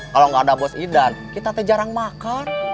kalau nggak ada bos idan kita teh jarang makan